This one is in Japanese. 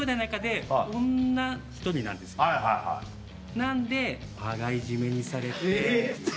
なんで羽交い締めにされて。